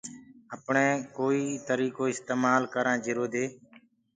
اپڻي ڪوئيٚ تريٚڪو اِستمآل ڪرآنٚ جرو دي